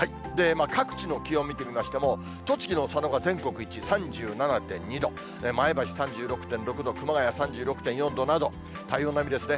各地の気温見てみましても、栃木の佐野が全国一、３７．２度、前橋３６．６度、熊谷３６．４度など、体温並みですね。